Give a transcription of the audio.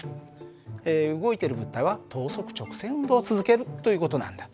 動いている物体は等速直線運動を続けるという事なんだ。